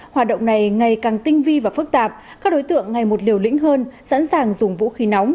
hoạt động này ngày càng tinh vi và phức tạp các đối tượng ngày một liều lĩnh hơn sẵn sàng dùng vũ khí nóng